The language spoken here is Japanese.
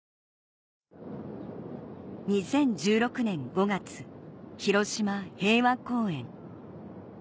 ２０１６年５月広島・平和公園